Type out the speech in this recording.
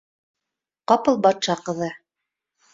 Ҡапыл батша ҡыҙы: